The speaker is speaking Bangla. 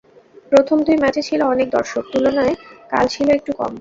প্রথম দুই ম্যাচে ছিল অনেক দর্শক, তুলনায় কাল ছিল একটু কম।